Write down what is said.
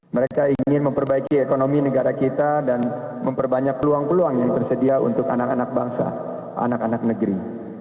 mereka ingin memperbaiki ekonomi negara kita dan memperbanyak peluang peluang yang tersedia untuk anak anak bangsa anak anak negeri